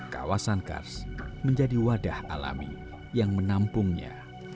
kawasan kars menjadi wadah alami yang menampungnya